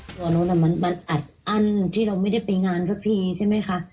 หัวนู้นมันอัดอั้นที่เราไม่ได้ไปงานสักทีใช่ไหมคะ